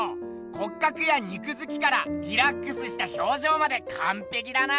骨格や肉づきからリラックスした表情までかんぺきだな。